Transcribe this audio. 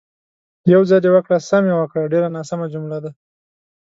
"یو ځل یې وکړه، سم یې وکړه" ډېره ناسمه جمله ده.